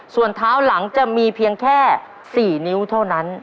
ส่วนเท้าหลังจะมีเพียงแค่๔นิ้วเท่านั้น